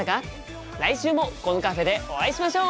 来週もこのカフェでお会いしましょう！